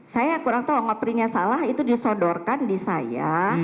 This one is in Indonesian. saya kurang tahu nge printnya salah itu disodorkan di saya